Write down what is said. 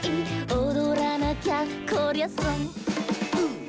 「おどらなきゃこりゃソン」ウ！